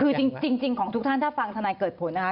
คือจริงของทุกท่านถ้าฟังธนายเกิดผลนะคะ